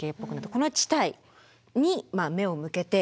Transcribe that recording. この地帯に目を向けて。